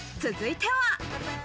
続いては。